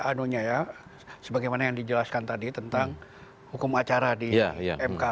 anunya ya sebagaimana yang dijelaskan tadi tentang hukum acara di mk